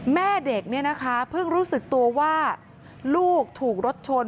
แม่เด็กเนี่ยนะคะเพิ่งรู้สึกตัวว่าลูกถูกรถชน